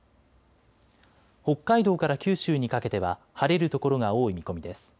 北海道から九州にかけては晴れる所が多い見込みです。